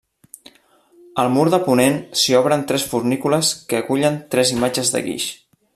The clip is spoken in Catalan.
Al mur de ponent s'hi obren tres fornícules que acullen tres imatges de guix.